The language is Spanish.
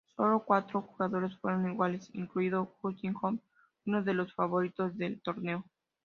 Solo cuatro jugadores fueron iguales, incluido Dustin Johnson, uno de los favoritos del torneo.